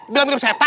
belum mirip setan